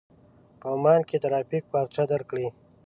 په عمان کې ترافيکو پارچه درکړې.